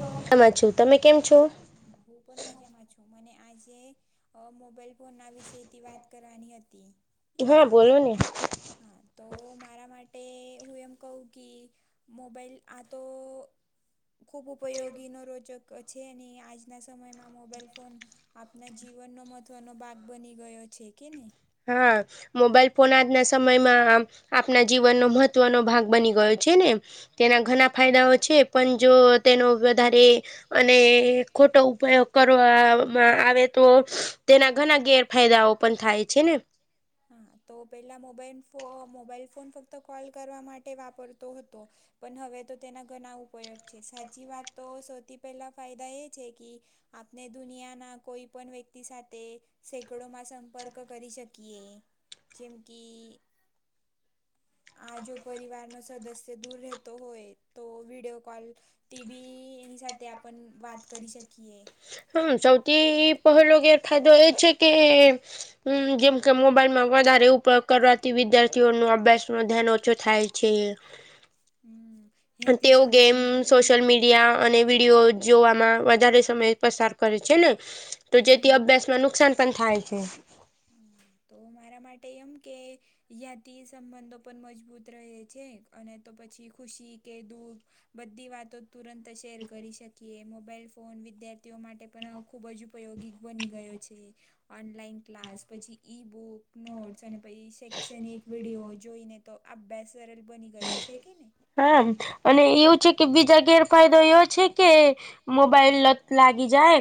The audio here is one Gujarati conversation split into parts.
[unintelligible] છું તમે કેમ છો? હા હું પણ મજામાં છું મને આજે અ મોબાઈલ ફોન ના વિશે થી વાત કરવાની હતી. હા બોલો ને. હા તો મારા માટે હું એમ કહું કે મોબાઈલ આ તો ખૂબ ઉપયોગીનો રોચક છે, અને આજના સમયમાં મોબાઈલ ફોન આપના જીવનનો મહત્વનો ભાગ બની ગયો છે, કે ને. હા મોબાઈલ ફોન આજના સમયમાં આપના જીવનનો મહત્વનો ભાગ બની ગયો છે, ને એમ. તેના ઘણા ફાયદાઓ છે, પણ જો તેનો વધારે અને ખોટો ઉપયોગ કરવાવામાં આવે તો તેના ઘણા ગેર [inaudible] હા તો પહેલા મોબાઈલ ફો મોબાઈલ ફોન ફક્ત કોલ કરવા માટે વાપરતો હતો, પણ હવે તો તેના ઘણા ઉપયોગ છે, સાચી વાત તો સૌથી પહેલા ફાયદા એ છે, કે આપને દુનિયાના કોઈ પણ વ્યક્તિ સાથે સેંકડોમાં સંપર્ક કરી શકીએ જેમ કે આ જો પરિવાર નો સદસ્ય દૂર રહેતો હોય તો વિડિયો કોલ થી બી એની સાથે આપણ વાત કરી શકીએ. હા સૌથી પહેલો ગેરફાયદો એ છે, કે હમ્મ. જેમ કે, મોબાઈલમાં વધારે પયોગ કરવાથી વિદ્યાર્થીઓનો અભ્યાસનો ધ્યાન ઓછો થાય છે, હમ તેઓ ગેમ સોશિયલ મીડિયા અને વિડીયો. જોવામાં વધારે સમય પસાર કરે છે ને તો જેથી અભ્યાસમાં નુકસાન પણ થાય છે. તો મારા માટે એમ કે. યાતિ સંબંધો પણ રહે છે, તો પછી ખુશી કે દુઃખ. બધી વાતો તુરંત શેર કરી શકીએ મોબાઈલ ફોન વિદ્યાર્થીઓ માટે પણ ખુબ જ. ઉપયોગિક બની ગયો છે. ઓનલાઈન ક્લાસ પછી ઈ બુક નોટ્સ અને પછી શૈક્ષણિક વિડીયો જોઈને. તો [unintelligible] સરલ બની ગયો છે કે ની હા અને એવું છે કે બીજા ગેરફાયદો ઓ છે કે મોબાઈલ લત લાગી જાય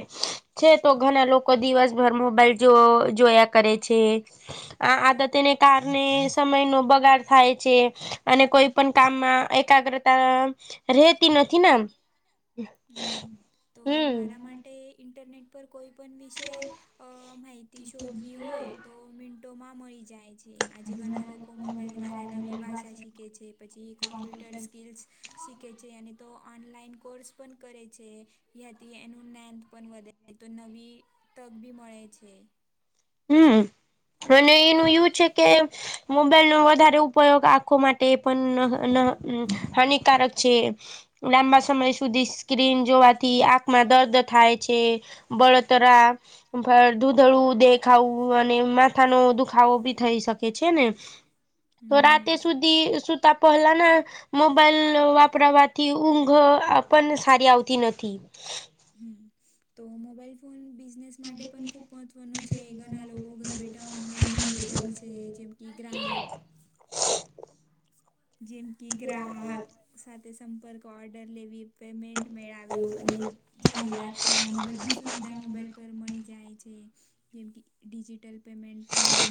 છે તો ઘણા લોકો દિવસ ઘર મોબાઈલ જો જોયા કરે છે, આ આદતેને કારણે સમય નો બગાડ થાય છે અને કોઈ પણ કામમાં એકાગ્રતા. રેતી નથી ને એમ તો મારા માટે ઇન્ટરનેટ પર કોઈપણ વિષય પર માહિતી શોધવી હોય તો મિંટોમાં મળી જાય. છે આજે ઘણા લોકો મોબાઈલ દ્વારા નવી ભાષા શીખે છે પછી કોમ્પ્યુટર સ્કિલ્સ શીખે છે અને તો ઓનલાઈન કોર્સ પણ કરે છે. યાથી એનું નાધ પણ વધે તો નવી તક બી મળે છે. હમ અને એનું એવું છે કે મોબાઈલનો વધારે ઉપયોગ આખો માટે પન નહ નહ હાની કારક છે લાંબા સમય સુધી સ્ક્રીન જોવા થી આંખમાં દર્દ થાય છે બળતરા, દૂધળું દેખ ખાવું અને માથાનો દુખાવો બી થઈ શકે છે ને તો રાતે સુધી સુતા પહલા ના મ મોબાઈલ વાપરાવાથી ઊંઘો આપણને સારી આવતી નથી. હમ, તો મોબાઈલ ફોન બિઝનેસ માટે પણ ખુબ મહત્વનો છે. તે ઘણા લોકો ઘર બેઠા ઓનલાઈન ધંધો કરી છે જેમ કે ગ્રાહક જેમ કે ગ્રાહક સાથે સંપર્ક ઓર્ડર લેવી. પેમેન્ટ મે આવ્યું અને જાહેરાત કરવાની બધી સુવિધા મોબાઈલ પર મળી જાય છે. જેમ કે ડિજિટલ પેમેન્ટ પણ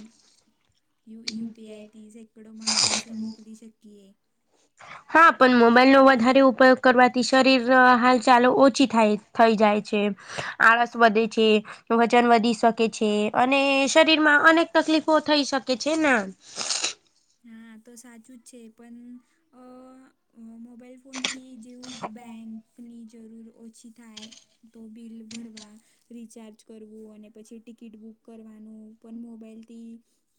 યુ યુપીઆઈથી સેકડોમા પાસે મોકલી શકીએ. હા પણ મોબાઈલનો વધારે ઉપયોગ કરવાથી શરીર હાલ-ચાલો ઓછી થાય થઈ જાય છે. આળસ વધે છે. વજન વધી શકે છે અને શરીરમાં અનેક તકલીફો થઈ શકે છે ના હા તો સાચું જ છે પણ અ મોબાઈલ ફોનથી જેવું બેંકની જરૂર ઓછી થાય તો બિલ ભરવા રિચાર્જ કરવું અને પછી ટિકિટ બુક કરવાનું પણ મોબાઈલથી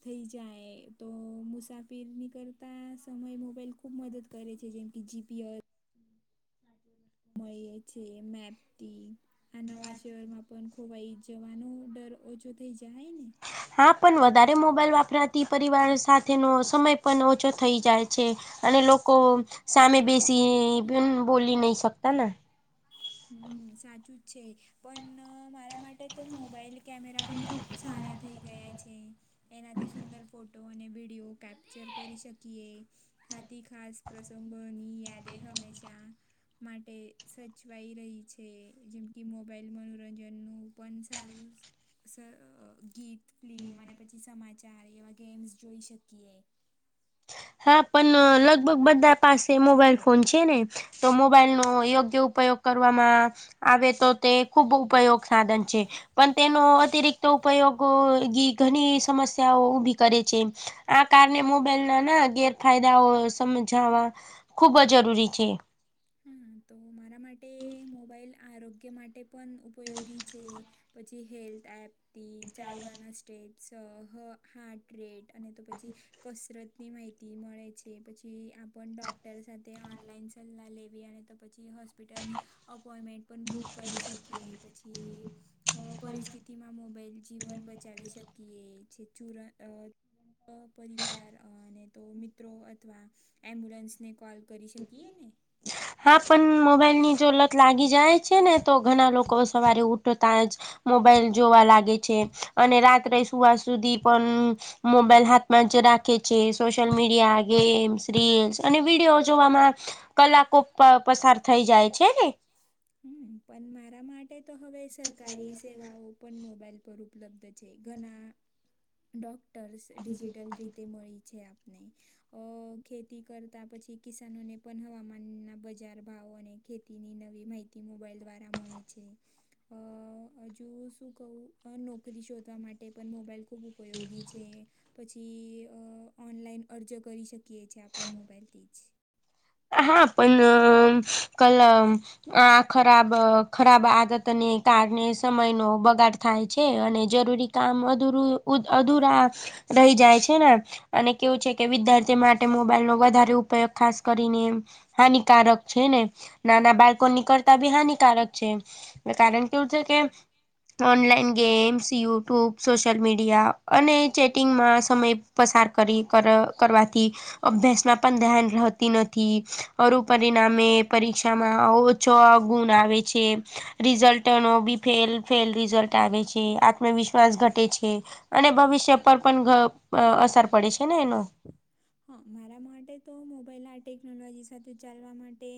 થઈ જાય તો મુ મુસાફીરની કરતા સમય મોબાઈલ ખૂબ મદદ કરે છે જેમ કે જીપીયસ મળે છે મેપતી આ નવા શહેરમાં પણ કોવાઈ જવાનો ડર ઓછો થઇ જાય ને હા પણ વધારે મોબાઇલ વાપરાતી પરિવાર સાથેનો સમય પણ ઓછો થઈ જાય છે અને લોકો સામે બેસી પણ બોલી નઈ શકતા ને. હમ્મ સાચું જ છે પણ મારા માટે તો મોબાઈલ કેમેરા પણ ખૂબ સારા થઈ ગયા છે. એનાથી સુંદર ફોટો અને વિડીયો કેપ્ચર કરી શકીએ. આથી ખાસ પ્રસંગોની યાદે હંમેશા માટે સ છવાઈ રહી છે જેમ કે મોબાઈલ મનોરંજનનું પણ સારું અહ ગીત, કલીમ અને પછી સમાચાર એવા ગેમ્સ જોઈ શકીએ. હા પણ અહ લગભગ બધા પાસે મોબાઈલ ફોન છે ને તો મોબાઈલ નો યોગ્ય ઉપયોગ કરવામાં આવે તો તે ખુબ ઉપયોગ સાધન છે. પણ તેનો અતિરિક્ત ઉપયોગ ઘી ઘણી સમસ્યાઓ ઊભી કરે છે. આ કારણે મોબાઈલના ના ગેરફાયદાઓ સમજાવા હા તો મારા માટે મોબાઈલ આરોગ્ય માટે પણ ઉપયોગી છે પછી હેલ્થ એપથી ચાલવાના સ્ટેટ સ હ હાર્ટ રેટ અને તો પછી કસરત ની માહિતી મળે છે પછી આપણ ડોક સાથે ઓનલાઈન સલાહ લેવી અને તો પછી હોસ સ્પિટલની અપોઈન્ટમેન્ટ પણ બુક કરી શકીએ પછી અહ પરિસ્થિતિમાં મોબાઈલ જીવન બચાવી શકીએ છે ચૂરા અહ પરિવાર અને તો મિત્રો અથવા એમ્બ્યુલન્સને કોલ કરી શકીએ ને હા પણ મોબાઈલની જો લત લાગી જાય છે ને તો ઘણા લોકો સવારે ઉઠતા જ મોબાઈલ જોવા લાગે છે અને રાત્રે સુવા સુધી પણ મોબાઈલ હા જ રાખે છે સોશિયલ મીડિયા ગેમ્સ રીલ્સ અને વિડીયો જોવામાં કલાકો પ-પસાર થઈ જાય છે ને. હમ્મ પણ મારા માટે તો હવે સરકારી સેવાઓ પણ મોબાઈલ પર ઉપલબ્ધ છે ઘણા ડોક્ટર્સ ડિજિટલ રીતે મળી છે આપ નહી અહ ખેતી કરતા પછી કિસાનોને પણ હવામાન ના બજાર ભાવો અને ખેતીની નવી માહિતી મોબાઈલ દ્વારા મળે છે. અહ હજુ શું કવું અહ નોકરી શોધવા માટે પણ મોબાઈલ ખૂબ ઉપયોગી છે પછી અહ ઓનલાઈન અરજ કરી શક કીએ છે આપે મોબાઈઇલથી જ. હા પણ અહ કલમ આ ખરાબ અહ ખરાબ આદતને કારણે સમયનો બગાડ થાય છે અને જરૂરી કામ અધૂરું ઉ અધુરા રહી જાય છે ને અને કેવું છે કે વિદ્યાર્થી માટે મોબાઈલ નો વધારે ઉપયોગ ખાસ કરીને હાનિકારક છે ને નાના બાળકો બી કરતા હાનિકારક છે. એ કારણ કેવું છે કે online games YouTube social media અને ચેટિંગમાં સમય પસાર કરી કરા કરવાથી અભ્યાસમાં પણ ધ્યાન રહ થી નથી અરુ પરિણામે પરીક્ષામાં ઓછો ગુણ આવે છે. રિઝલ્ટનો બી ફેલ ફેલ રિઝલ્ટ આવેે છે આત્મવિશ્વાસ ઘટે છે. અને ભવિષ્ય પર પણ ઘ અહ અસર પડે છે ને. હા મારા માટે તો મોબાઈલ આ ટેકનોલોજી સાથે ચાલવા માટે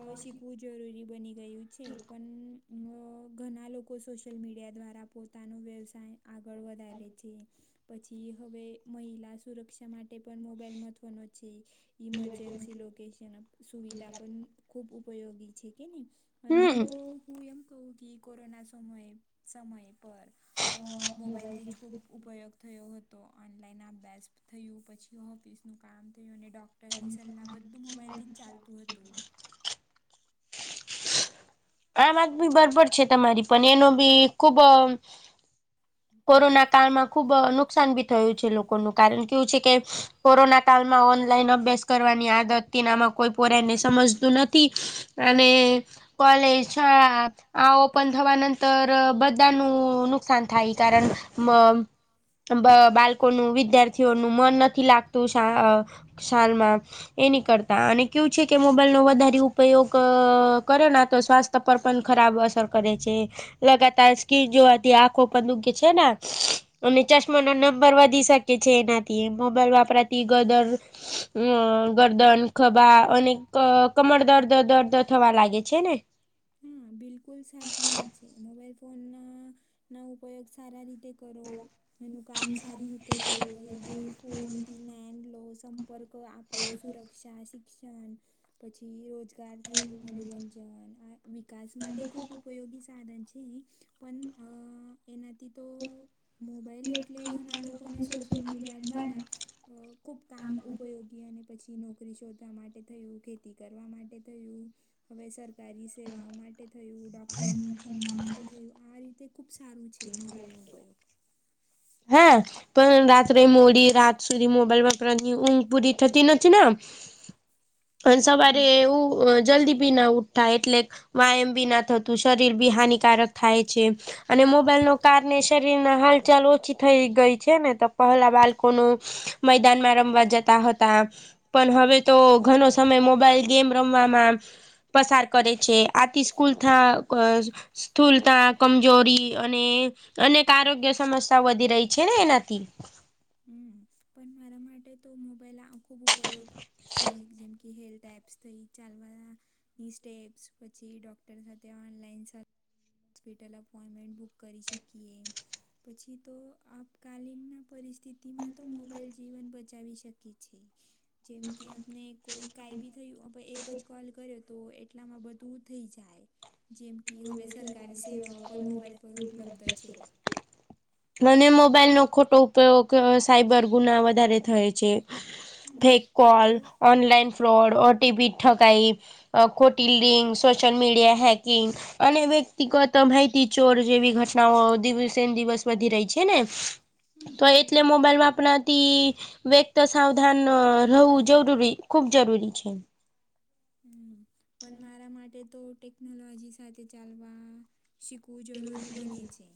અવ શીખવું જરુંરી બની ગયું છે પન. આ ઘણા લોકો સોશિયલ મીડિયા દ્વારા પોતાનો વ્યવસાય આગળ વધારે છે. પછી હવે મહિલા સુરક્ષા માટે પણ મોબાઈલ મહત્વનો છે. ઈમરજન્સી લોકેશન સુવિધા પણ ખૂબ ઉપયોગી છે કે ને. મને તો હું એમ કહું [unintelligible] કોરોના સમયે સમય પર અ મોબાઈલથી જ ખૂબ ઉપયોગ થયો હતો ઓનલાઈન [unintelligible] થયું. પછી ઓફિસનું કામ થયું અને ડોક્ટરની સલાહ બધું મોબાઈલથી જ ચાલતું હતું. આમ આદમી બરાબર છે તમારી પણી એનો બી ખુબ કોરોના કાળમાં ખુબ નુકસાન ભી થયું છે લો [unintelligible] કારણ કેવુ છે કે કોરોના કાળમાં ઓનલાઇન અભ્યાસ કરવાની આદત હતી ને કોઈ પોરા [unintelligible] સમજતું નથી અને કોલેજ હા આ ઓપન થવાના [unintelligible] બધાનું નુકસાન થાય કારણ મ બ બાળકોનું વિદ્યાર્થીઓનું મન નથી લાગતું શા શાલમાં. એની કરતા અને કેવું છે કે મોબાઈલનો વધારે ઉપયોગ કરે ના તો સ્વાસ્થ્ય પર પણ ખરાબ અસર કરે છે. લગાતાર સ્કીન જોવાથી આંખો પણ દુખે છે ને અને ચશ્માનો નંબર વધી શકે છે, એનાથી મોબાઈલ વાપરવાથી ગદર અ ગરદન, ખભા અને કમર દર્દ દર્દ થવા લાગે છે ને. [inaudible] હા બિલકુલ સાચી વાત છે. મોબાઈલ ફોનના ના ઉપયોગ સારા રીતે કરો એનું કામ સારી રીતે કરો, જેમ કે ફોન ઇને એન લો, સંપર્કો આપો, સુરક્ષા, શિક્ષણ પછી રોજગાર થયું, મનોરંજન, આ વી કાસ માટે ખૂબ ઉપયોગી સાધન છે એ પણ અ એના તે તો મોબાઈલ એટલે ઘણા લોકોને સોશિયલ મીડિયા દ્વારા અ ખૂબ કામ ઉપયોગી અને પછી નોક રી શોધવા માટે થયું, ખેતી કરવા માટે થયું, હવે સરકારી સેવા આ માટે થયું, ડોક્ટર માટે થયું આ રીતે ખૂબ સારું છે. મોબાઈલનો ઉપયોગ હા. પણ રાત્રે મોડી રાત સુધી મોબાઈલ વપરાની ઊંઘ પૂરી થતી નથી ને? [unintelligible] પણ સવારે એવું અ જલ્દી બી ના ઉઠાય, એટલે વ્યાયામ બી ના થતું. શરીર બી હાનિકારક થાય છે અને મોબાઈલ નો કારણે શરીરનો હાલચાલ ઓછી થઈ ગઈ છે ને તો પહેલા બાલકોનું મેદાનમાં રમવા જતા હતા. પણ હવે તો ઘણો સમય મોબાઈલ ગેમ રમવામાં પસાર કરે છે. આથી સ્કૂલ થા [unintelligible] સ્થૂલતા, કમજોરી અને અનેક આરોગ્ય સમસ્યા વધ રહી છે ને એનાથી. હમ પણ મારા માટે તો મોબાઈલ આ ખુબ ઉપયોગ છે જેમ કે હેર ટાઈપ્સ થઈ ચાલવા. ઇ સ્ટેપ્સ પછી ડોક્ટર સાથે ઓનલાઈન સ હોસ્પિટલ અપોઈન્ટમેન્ટ બુક કરી શકીએ, પછી તો આપકાલીનનાં પરિસ તિથી માં તો મોબાઈલ જીવન બચાવી શકે છે. જેમ કે આપને કોઈ કાંઈ બી થયું, આપણે એક જ કોલ કરે તો એટલામાં બધું થઈ જાય. જેમ કે હવે સર કારી સેવાઓ પન મોબાાઈલ પર ઉપલબ્ધ છે. અને મોબાઈલ નો ખોટો ઉપયોગ, સાઈબર ગુના વધારે થાય છે. Fake call, online fraud, O T P ઠકાઈ, અહ ખોઠી લિંક, સોશિયલ મીડિયા હેકિંગ અને વ્યક્તિગત ભાઈટી ચોર જેવી ઘટનાઓ દિવસે ને દિવસ વધી રહી છે ને! પહી એટલે મોબાઈલમાં પ્રતિ વ્યક્ત સાવધાનો રહવું જરૂરી ખૂબ જરૂરી છે. હમ્મ. પણ મારા માટે તો ટેકનોલોજી સાથે ચાલવા, શિખ વું જરૂરી બને છે.